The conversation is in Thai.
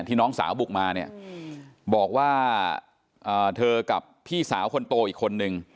น้องสาวบุกมาเนี่ยบอกว่าเธอกับพี่สาวคนโตอีกคนนึง